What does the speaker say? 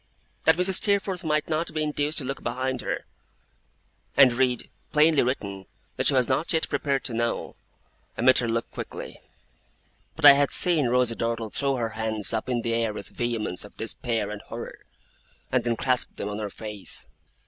That Mrs. Steerforth might not be induced to look behind her, and read, plainly written, what she was not yet prepared to know, I met her look quickly; but I had seen Rosa Dartle throw her hands up in the air with vehemence of despair and horror, and then clasp them on her face.